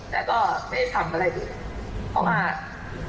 แล้วก็ไม่ทำอะไร